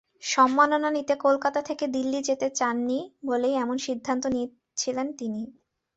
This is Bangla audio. সম্মাননা নিতে কলকাতা থেকে দিল্লি যেতে চাননি বলেই এমন সিদ্ধান্ত নিয়েছিলেন তিনি।